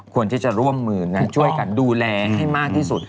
ควรที่จะร่วมมือนะช่วยกันดูแลให้มากที่สุด